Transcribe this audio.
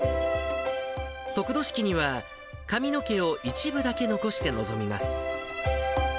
得度式には、髪の毛を一部だけ残して臨みます。